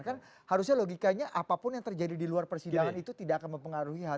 kan harusnya logikanya apapun yang terjadi di luar persidangan itu tidak akan mempengaruhi